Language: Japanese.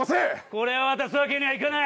これは渡すわけにはいかない！